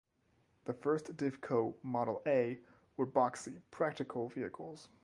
The first Divco "Model A" were boxy, practical vehicles.